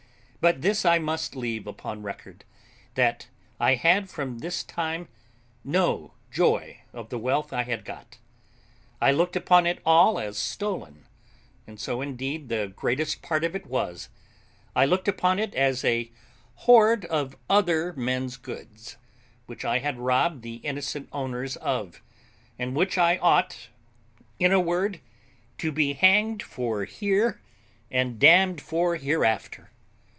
But this I must leave upon record, that I had from this time no joy of the wealth I had got. I looked upon it all as stolen, and so indeed the greatest part of it was. I looked upon it as a hoard of other men's goods, which I had robbed the innocent owners of, and which I ought, in a word, to be hanged for here, and damned for hereafter.